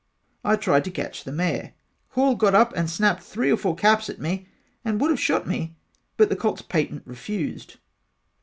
I tried to catch the mare. Hall got up and snapped three or four caps at me and would have shot me but the colts patent refused.